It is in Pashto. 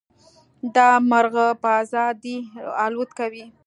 دا مرغه په ازادۍ الوت کوي.